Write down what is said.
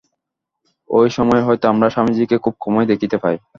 এই সময় হইতে আমরা স্বামীজীকে খুব কমই দেখিতে পাই।